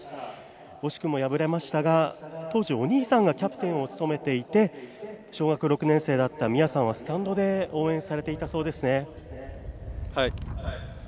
惜しくも敗れましたが当時、お兄さんがキャプテンを務めていて小学６年生だった宮さんはスタンドで応援されていたそうですね。